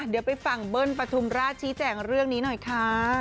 เดี๋ยวไปฟังเบิ้ลปฐุมราชชี้แจงเรื่องนี้หน่อยค่ะ